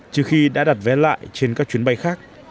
trừ khi đã đặt vé lại trên các chuyến bay khác